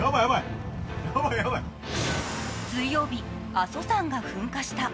水曜日、阿蘇山が噴火した。